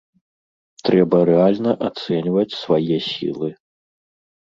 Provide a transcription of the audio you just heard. Трэба рэальна ацэньваць свае сілы.